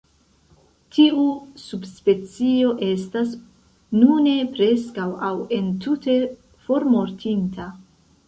Tiu subspecio estas nune "preskaŭ aŭ entute formortinta".